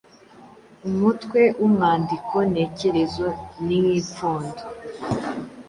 Umutwe w’umwandiko ntekerezo ni nk’ipfundo